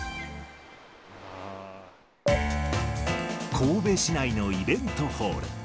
神戸市内のイベントホール。